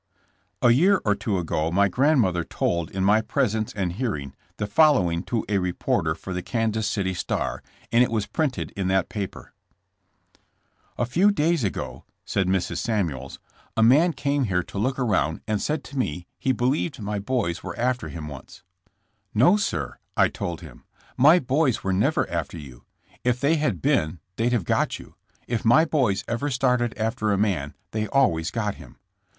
'' A year or two ago my grandmother told in my presence and hearing the following to a reporter for the Kansas City Star; and it was printed in that paper : *'A few days ago," said Mrs. Samuels, a man OUTLAWKD AND HUNTED. 87 came here to look around and said to me he be lieved my boys were after him once, *'No, sir;" I told Mm, V'my boys were never after you. If they had been they'd have got yon. If my boys ever started after a man they always got him.